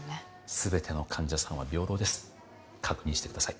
すべての患者さんは平等です確認してください